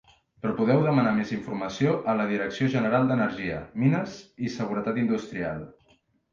Però podeu demanar més informació a la Direcció General d'Energia, Mines i Seguretat Industrial.